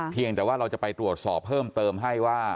เพียงแต่ว่าเราจะไปตรวจสอบเพิ่มเติมให้ว่า